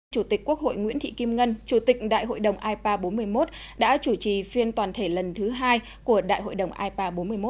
chủ tịch quốc hội nguyễn thị kim ngân chủ tịch đại hội đồng ipa bốn mươi một đã chủ trì phiên toàn thể lần thứ hai của đại hội đồng ipa bốn mươi một